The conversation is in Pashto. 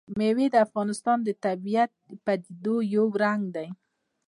مېوې د افغانستان د طبیعي پدیدو یو رنګ دی.